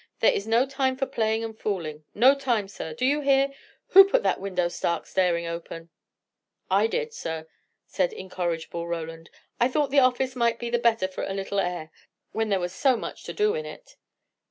There is no time for playing and fooling; no time, sir! do you hear? Who put that window stark staring open?" "I did, sir," said incorrigible Roland. "I thought the office might be the better for a little air, when there was so much to do in it."